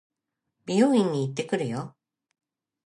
美容院に行ってくるよ。